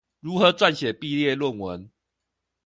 如何撰寫畢業論文